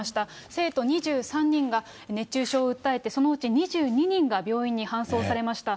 生徒２３人が熱中症を訴えて、そのうち２２人が病院に搬送されました。